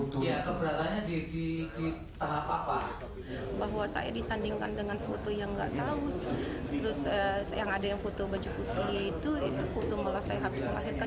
terus yang ada yang foto baju putih itu itu foto malah saya habis melahirkan